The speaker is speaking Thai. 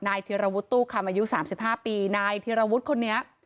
นายเทียระวุฒิตู้คามอายุ๓๕ปีนายเทียระวุฒิตู้คนนี้